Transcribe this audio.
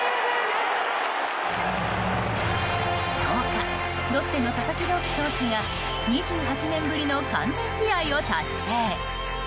１０日ロッテの佐々木朗希投手が２８年ぶりの完全試合を達成。